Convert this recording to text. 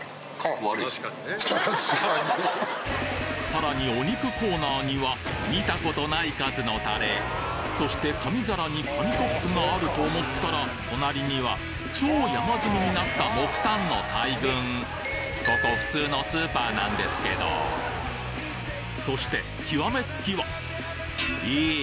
さらにお肉コーナーには見た事ない数のタレそして紙皿に紙コップがあると思ったら隣には超山積みになった木炭の大群ここ普通のスーパーなんですけどそして極め付きはえ？